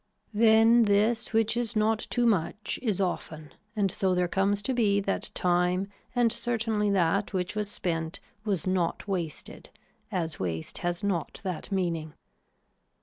Then this which is not too much is often and so there comes to be that time and certainly that which was spent was not wasted as waste has not that meaning.